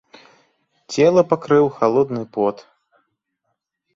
Цела пакрыў халодны пот.